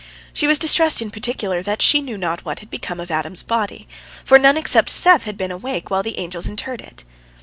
She was distressed in particular that she knew not what had become of Adam's body, for none except Seth had been awake while the angel interred it.